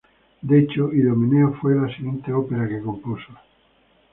De hecho, "Idomeneo" fue la siguiente ópera que compuso.